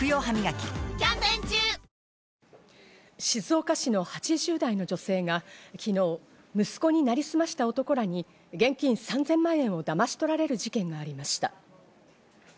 静岡市の８０代の女性が昨日、息子になりすました男らに現金３０００万円を騙し取られる事件がありました。